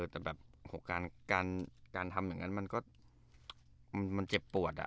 แต่แบบการทำอย่างนั้นมันก็มันเจ็บปวด